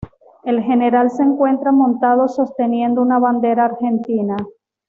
El General se encuentra montado sosteniendo una Bandera Argentina.